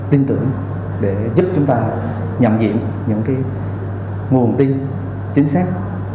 tin tưởng để giúp chúng ta nhận diện những nguồn tin chính xác